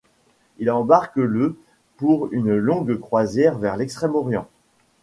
Il embarque le pour une longue croisière vers l'Extrême-Orient.